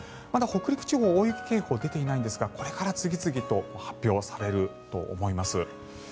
まだ北陸地方大雪警報出ていないのですがこれから次々と発表されると思います。